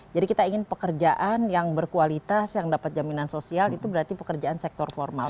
jadi kita ingin pekerjaan yang berkualitas yang dapat jaminan sosial berarti itu pekerjaan sektor formal